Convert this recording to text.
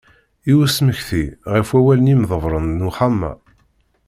I usmekti, ɣef wawal n yimḍebbren n Uxxam-a.